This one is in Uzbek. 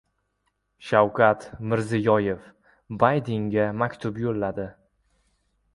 Shavkat Mirziyoyev Baydenga maktub yo‘lladi